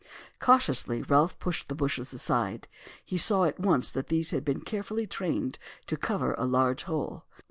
Cautiously Ralph pushed the bushes aside. He saw at once that these had been carefully trained to cover a large hole.